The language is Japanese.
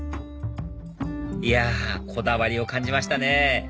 いやこだわりを感じましたね